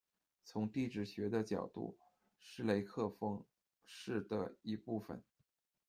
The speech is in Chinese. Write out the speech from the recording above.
从地质学的角度，施雷克峰是的一部分。